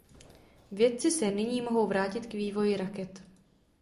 Vědci se nyní mohou vrátit k vývoji raket.